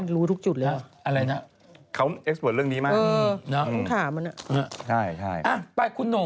รูป